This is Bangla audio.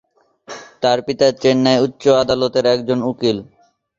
তার পিতা চেন্নাই উচ্চ আদালতের একজন উকিল।